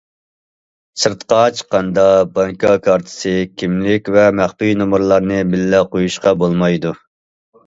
سىرتقا چىققاندا بانكا كارتىسى، كىملىك ۋە مەخپىي نومۇرلارنى بىللە قويۇشقا بولمايدۇ.